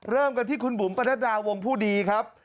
เริ่มกันที่คุณบุ๋มประนัดดาวงผู้ดีครับ